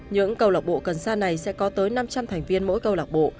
những cầu lạc bộ cần xa này sẽ có tới năm trăm linh thành viên mỗi cầu lạc bộ